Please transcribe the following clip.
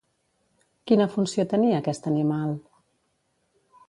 Quina funció tenia aquest animal?